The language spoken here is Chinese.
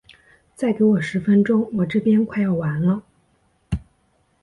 再给我十分钟，我这边快要完了。